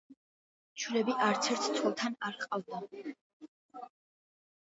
შვილები არცერთ ცოლთან არ ჰყავდა.